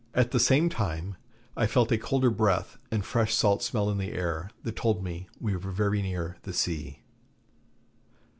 At the same time I felt a colder breath and fresh salt smell in the air that told me we were very near the sea.